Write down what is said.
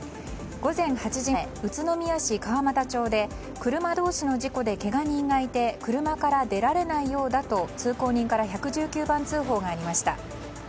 午前８時前、宇都宮市川俣町で車同士の事故で、けが人がいて車から出られないようだと通行人から１１９番通報がありました。